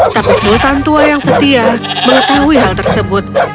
tapi sultan tua yang setia mengetahui hal tersebut